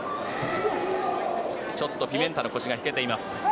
ちょっとピメンタの腰が引けています。